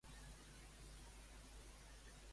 Quin animal fantasieja que alimentaran?